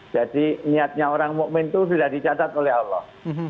jadi niatnya orang mu'min itu sudah dicatat oleh allah